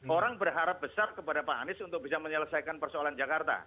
orang berharap besar kepada pak anies untuk bisa menyelesaikan persoalan jakarta